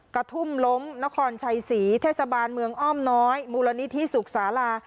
กระทุ่มล้มนครชัยศรีเทศบาลเมืองอ้อมน้อยมูลนิธิสุขศาลา